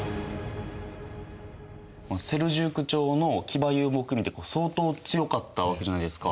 セルジューク朝の騎馬遊牧民って相当強かったわけじゃないですか。